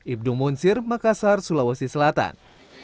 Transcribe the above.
ibnu munsir makassar sulawesi selatan